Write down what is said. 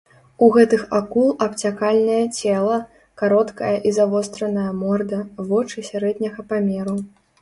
У гэтых акул абцякальнае цела, кароткая і завостраная морда, вочы сярэдняга памеру.